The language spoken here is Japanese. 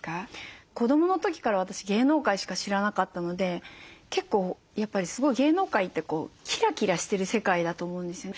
子どもの時から私芸能界しか知らなかったので結構やっぱりすごい芸能界ってキラキラしてる世界だと思うんですよね。